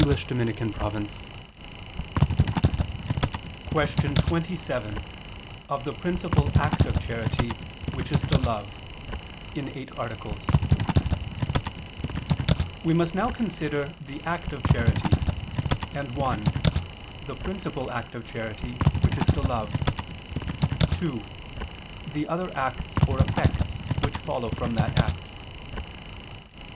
_______________________ QUESTION 27 OF THE PRINCIPAL ACT OF CHARITY, WHICH IS TO LOVE (In Eight Articles) We must now consider the act of charity, and (1) the principal act of charity, which is to love, (2) the other acts or effects which follow from that act.